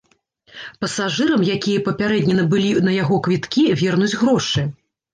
Пасажырам, якія папярэдне набылі на яго квіткі, вернуць грошы.